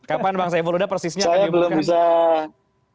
kapan bang saiful huda persisnya akan diumumkan